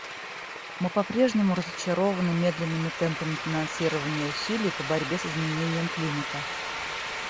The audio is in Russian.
Мы по-прежнему разочарованы медленными темпами финансирования усилий по борьбе с изменением климата.